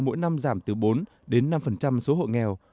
mỗi năm giảm từ bốn đến năm số hộ nghèo